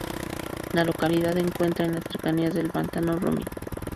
La localidad encuentra en las cercanías del pantano Romney.